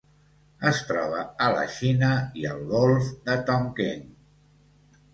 Es troba a la Xina i al Golf de Tonquín.